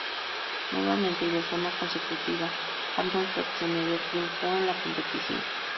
Nuevamente y de forma consecutiva, Arnold Schwarzenegger triunfó en la competición.